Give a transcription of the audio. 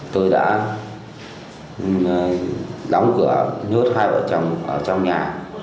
tôi đã đóng cửa nhốt hai vợ chồng trong nhà